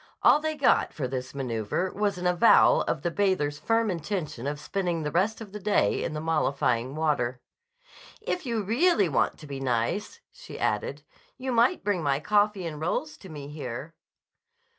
All they got for this maneuver was an avowal of the bather's firm intention of spending the rest of the day in the mollifying water. "If you want to be really nice," she added, "you might bring my coffee and rolls to me here."